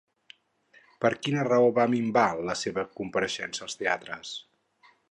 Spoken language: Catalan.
Per quina raó va minvar la seva compareixença als teatres?